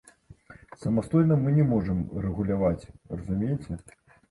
Самастойна мы не можам рэгуляваць, разумееце?